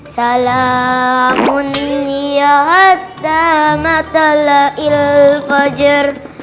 salamun liyahatta matala ilfajar